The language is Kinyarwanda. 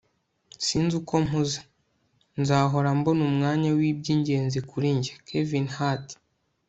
sinzi uko mpuze - nzahora mbona umwanya w'ibyingenzi kuri njye. - kevin hart